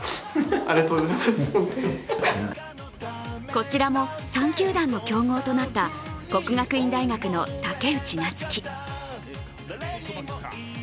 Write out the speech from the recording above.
こちらも３球団の競合となった国学院大学の武内夏暉。